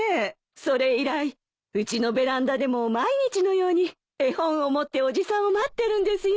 それ以来うちのベランダでも毎日のように絵本を持っておじさんを待ってるんですよ。